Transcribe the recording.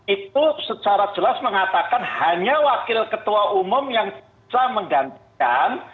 itu secara jelas mengatakan hanya wakil ketua umum yang bisa menggantikan